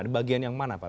di bagian yang mana pak